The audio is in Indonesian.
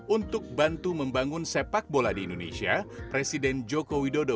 untuk bantu membangun sepak bola di indonesia presiden joko widodo